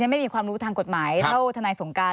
ไม่มีความรู้ทางกฎหมายเท่าทนายสงการ